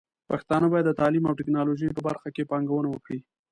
پښتانه بايد د تعليم او ټکنالوژۍ په برخه کې پانګونه وکړي.